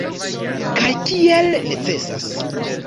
Kaj kiel necesas.